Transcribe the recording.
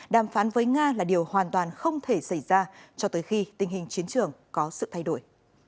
đàm phán với nga là điều hoàn toàn không thể xảy ra cho tới khi tình hình chiến trường có sự thay đổi